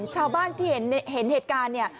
ชาวบ้านที่เห็นเหตุการณ์เนี่ย